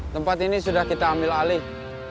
tempat ini sudah kita ambil alih